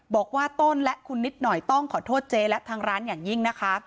บอกว่าต้นและคุณนิดหน่อยต้องขอโทษเจ๊และทางร้านอย่างยิ่งนะคะ